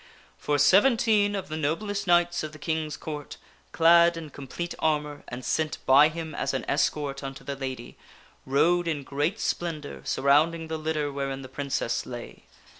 For seventeen of the noblest knights of the King's Court, clad in com plete armor, and sent by him as an escort unto the lady, rode in great splendor, surrounding the litter wherein the Princess lay.